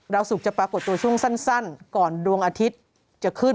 สุขจะปรากฏตัวช่วงสั้นก่อนดวงอาทิตย์จะขึ้น